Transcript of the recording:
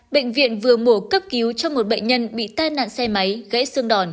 bệnh viện vừa mổ cấp cứu cho một bệnh nhân bị tai nạn xe máy gãy xương đòn